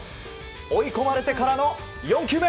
追い込まれてからの４球目。